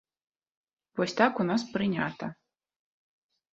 Вось так у нас прынята.